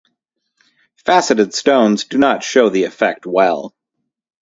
Faceted stones do not show the effect well.